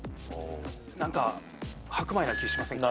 何か白米な気しませんか？